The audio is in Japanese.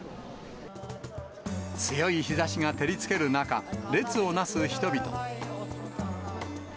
強い日ざしが照りつける中、列をなす人々。